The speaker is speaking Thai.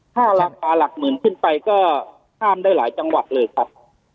ถ้าราคาหลักหมื่นขึ้นไปก็ข้ามได้หลายจังหวัดเลยครับ